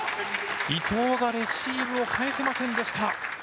伊藤がレシーブを返せませんでした。